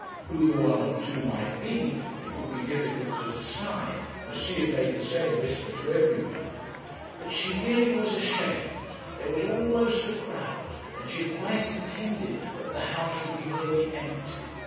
Who the one or two might be it would be difficult to decide, as she had made the same whisper to every one; 'but she really was ashamed; there was almost a crowd, and she had quite intended that the house should be nearly empty.